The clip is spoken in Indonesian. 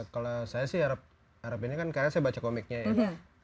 kalau saya sih arab ini kan karena saya baca komiknya ya